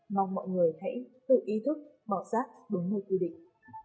mong mọi người hãy tự ý thức bỏ rác đúng nơi quy định